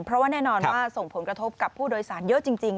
เพราะว่าแน่นอนว่าส่งผลกระทบกับผู้โดยสารเยอะจริง